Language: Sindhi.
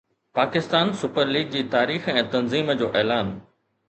پاڪستان سپر ليگ جي تاريخ ۽ تنظيم جو اعلان